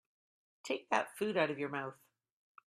Take that food out of your mouth.